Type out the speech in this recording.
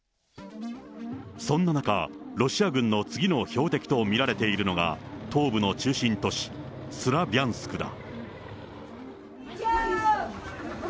そんな中、ロシア軍の次の標的と見られているのが、東部の中心都市、スラビャンスクだ。